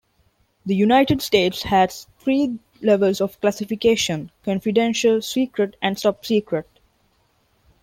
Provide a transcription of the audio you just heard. The United States has three levels of classification: Confidential, Secret, and Top Secret.